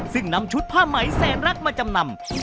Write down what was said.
ซึ่งนำชุดผ้าไหมแสนรักมาจำนำ